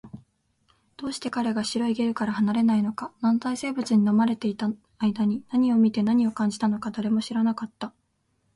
どうして彼が白いゲルから離れないのか、軟体生物に飲まれていた間に何を見て、何を感じたのか、誰も知らなかった